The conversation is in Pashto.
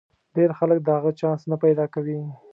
ډېر خلک د هغه چانس نه پیدا کوي.